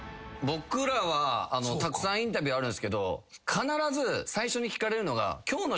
僕らはたくさんインタビューあるんすけど必ず最初に聞かれるのが。